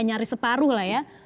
nyaris separuh lah ya